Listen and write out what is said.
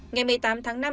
ngày một mươi tám tháng năm